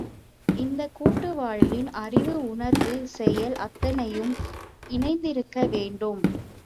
இந்தக் கூட்டு வாழ்வின் அறிவு, உணர்வு, செயல் அத்தனையும் இணைந்திருக்க வேண்டும்.